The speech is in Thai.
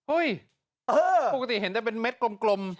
อุ้ยปกติเห็นได้เป็นเม็ดกลม